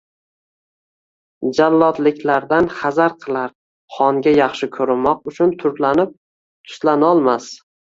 jallodliklardan hazar qilar, xonga yaxshi ko’rinmoq uchun turlanib, tuslanolmas